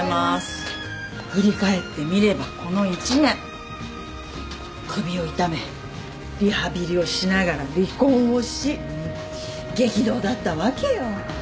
振り返ってみればこの１年首を痛めリハビリをしながら離婚をし激動だったわけよ。